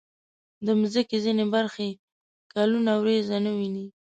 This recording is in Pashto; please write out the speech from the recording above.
د مځکې ځینې برخې کلونه وریځې نه ویني.